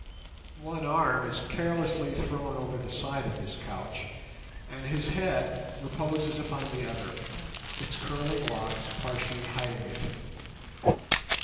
One arm is carelessly thrown over the side of this couch, and his head reposes upon the other, its curling locks partially hiding it.